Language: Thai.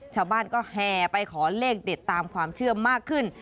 ชาวบ้านก็แห่ไปขอเลขเด็ดตามความเชื่อมากขึ้น